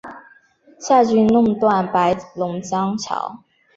夏军弄断白龙江桥。